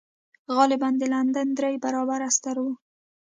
غالباً د لندن درې برابره ستر و.